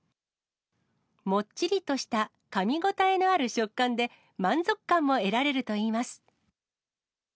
もっちりとしたかみ応えのある食感で、満足感も得られるといいます。